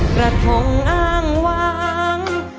กระทงอ้างวาง